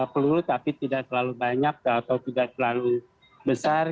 peluru tapi tidak terlalu banyak atau tidak terlalu besar